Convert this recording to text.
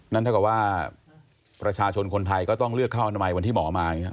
นั่นถ้าก็ว่าประชาชนคนไทยก็ต้องเลือกเข้าอนามัยวันที่หมอมา